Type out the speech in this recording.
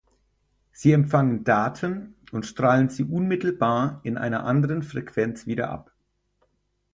Sie empfangen Daten und strahlen sie unmittelbar in einer anderen Frequenz wieder ab.